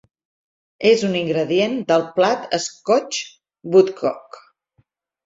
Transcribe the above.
És un ingredient del plat Scotch woodcock.